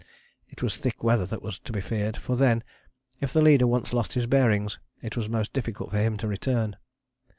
It was thick weather that was to be feared, for then, if the leader once lost his bearings, it was most difficult for him to return.